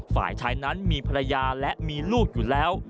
ฝ่ายชายนั้นมีภรรยาและมีลูกอยู่แล้ว